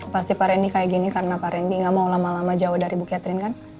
pasti pak rendy kayak gini karena pak rendy gak mau lama lama jauh dari bu catherine kan